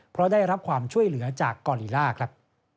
เพราะได้รับความช่วยเหลือจากกอลิล่าครับ